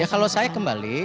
ya kalau saya kembali